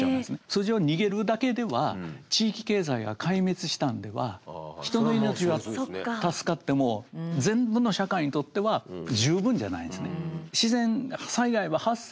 通常逃げるだけでは地域経済が壊滅したんでは人の命は助かっても全部の社会にとっては十分じゃないんですね。